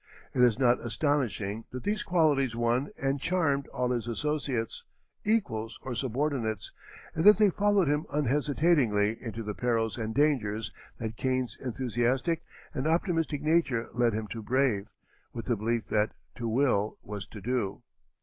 It is not astonishing that these qualities won and charmed all his associates, equals or subordinates, and that they followed him unhesitatingly into the perils and dangers that Kane's enthusiastic and optimistic nature led him to brave, with the belief that to will was to do.